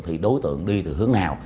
thì đối tượng đi từ hướng nào